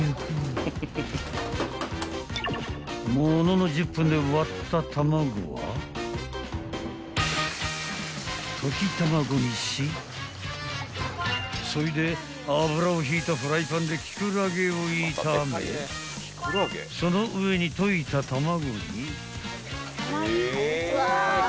［ものの１０分で割った卵は溶き卵にしそいで油をひいたフライパンでキクラゲを炒めその上に溶いた卵に］